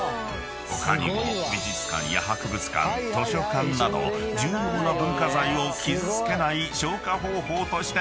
［他にも美術館や博物館図書館など重要な文化財を傷つけない消火方法としても注目］